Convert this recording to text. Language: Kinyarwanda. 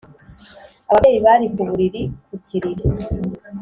ababyeyi bari ku buriri ku kiriri